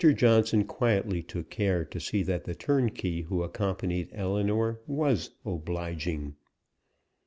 Johnson quietly took care to see that the turnkey who accompanied Ellinor was "obliging."